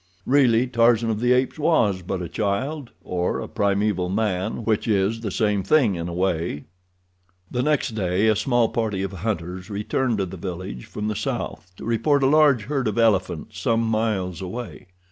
Really Tarzan of the Apes was but a child, or a primeval man, which is the same thing in a way. The next day but one a small party of hunters returned to the village from the south to report a large herd of elephant some miles away.